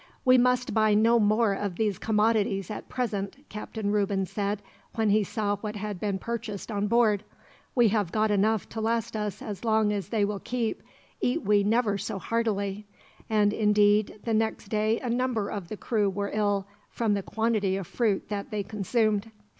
"'We must buy no more of these commodities, at present," Captain Reuben said, when he saw what had been purchased on board. "We have got enough to last us as long as they will keep, eat we never so heartily;" and indeed, the next day a number of the crew were ill, from the quantity of fruit that they consumed.